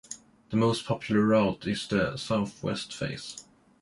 The most popular route is the southwest face.